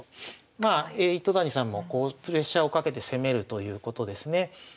まあ糸谷さんもプレッシャーをかけて攻めるということですね。